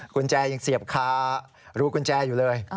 กุญแจยังเสียบคารูกุญแจอยู่เลย